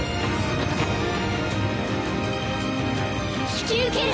引き受ける！